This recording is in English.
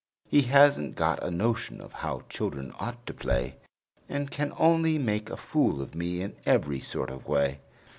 He hasn't got a notion of how children ought to play, And can only make a fool of me in every sort of way.